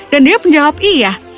dan dia menjawab iya